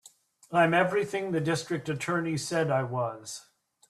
I'm everything the District Attorney said I was.